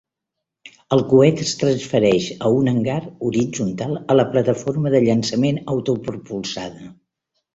El coet es transfereix a un hangar horitzontal a la plataforma de llançament autopropulsada.